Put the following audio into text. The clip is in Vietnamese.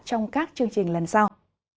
trong các chương trình lần sau